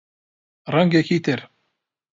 ڕەنگێکی تر